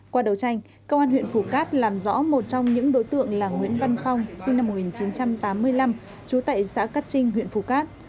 qua đầu tranh công an huyện phú cát làm rõ một trong những đối tượng là nguyễn văn phong sinh năm một nghìn chín trăm tám mươi năm chú tệ xã cát trinh huyện phú cát